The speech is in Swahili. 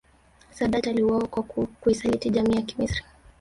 Saadat aliuawa kwa kuisaliti jamii ya Kimisri